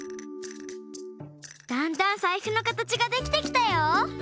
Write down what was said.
だんだんさいしょのかたちができてきたよ。